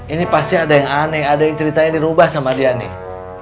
ini pasti ada yang aneh ada yang ceritanya dirubah sama dia nih